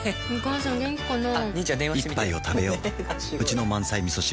一杯をたべよううちの満菜みそ汁